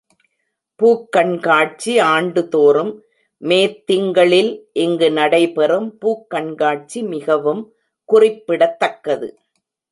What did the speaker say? பூக் கண்காட்சி ஆண்டு தோறும் மேத் திங்களில் இங்கு நடை பெறும் பூக் கண்காட்சி மிகவும் குறிப்பிடத்தக்கது.